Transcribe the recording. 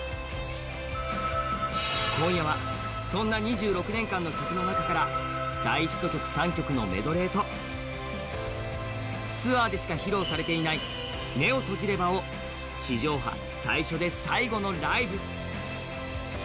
今夜はそんな２６年間の曲の中から大ヒット曲３曲のメドレーと、ツアーでしか披露されていない「目を閉じれば」を地上波、最初で最後のライブ。